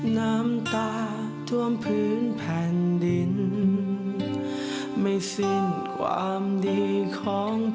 น้ำตาท่วมพื้นแผ่นดินไม่สิ้นความดีของ